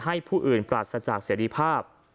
ให้ผู้อื่นปราศจากเสียดีภาพ